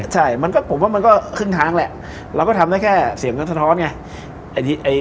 ใช่ผมว่ามันก็ครึ่งทางแหละเราก็ทำได้แค่เสียงสะท้อนไง